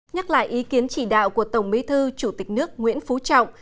nhắc lại ý kiến chỉ đạo của tổng bí thư chủ tịch nước nguyễn phú trọng